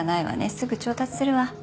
すぐ調達するわ。